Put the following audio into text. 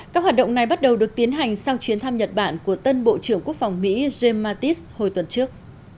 các hoạt động này bắt đầu được tiến hành sau chuyến thăm nhật bản của tân bộ trưởng quốc phòng mỹ james mattis hồi tuần trước